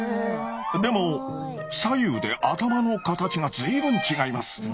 でも左右で頭の形が随分違います。